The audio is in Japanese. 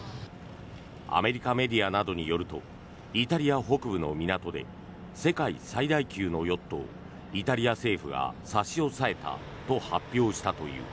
アメリカメディアなどによるとイタリア北部の港で世界最大級のヨットをイタリア政府が差し押さえたと発表したという。